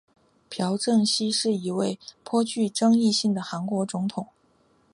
朴正熙是一位颇具争议性的韩国总统。